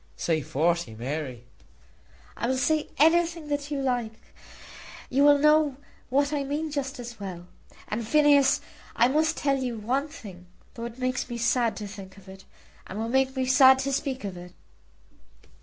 "Say forty, Mary." "I will say anything that you like; you will know what I mean just as well. And, Phineas, I must tell you one thing, though it makes me sad to think of it, and will make me sad to speak of it."